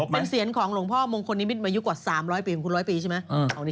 เป็นเซียนของหลวงพ่อมงคลนี้มิดมายุกว่า๓๐๐ปีหรือคุณ๑๐๐ปีใช่ไหม